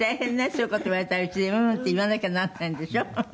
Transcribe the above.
そういう事言われたらうちで「うん」って言わなきゃなんないんでしょ？